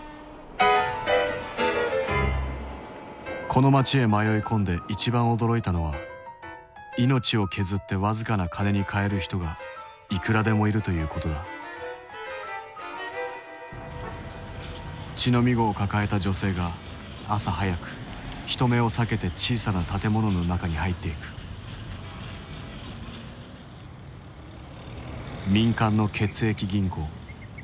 この街へ迷い込んで一番驚いたのは命を削って僅かな金にかえる人がいくらでもいるということだ乳飲み子を抱えた女性が朝早く人目を避けて小さな建物の中に入っていく民間の血液銀行。